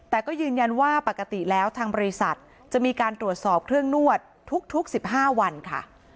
แต่ก็ยืนยันว่าปกติแล้วทางบริษัทจะมีการตรวจสอบเครื่องนวดทุก๑๕วันค่ะ